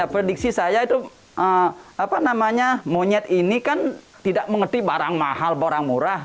prediksi saya itu monyet ini kan tidak mengerti barang mahal barang murah